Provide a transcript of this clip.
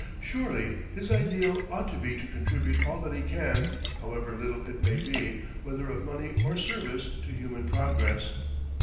Surely his ideal ought to be to contribute all that he can, however little it may be, whether of money or service, to human progress.